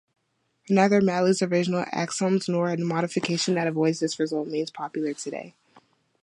Neither Mally's original axioms nor a modification that avoids this result remains popular today.